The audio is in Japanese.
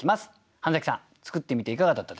半さん作ってみていかがだったでしょうか？